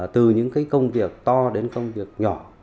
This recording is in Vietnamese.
từ những công việc to đến công việc nhỏ